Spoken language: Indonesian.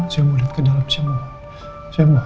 saya mau lihat ke dalam semua